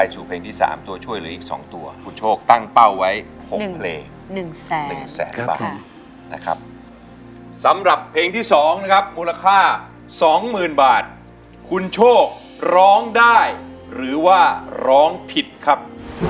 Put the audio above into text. มูลค่า๒หมื่นบาทคุณโชคร้องได้หรือว่าร้องผิดครับ